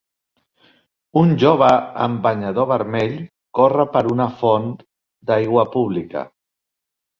Un jove amb banyador vermell corre per una font d'aigua pública.